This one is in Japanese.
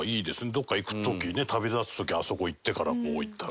どこか行く時ね旅立つ時あそこ行ってからこう行ったら。